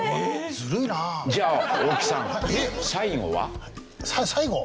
じゃあ大木さん最後は？さ最後？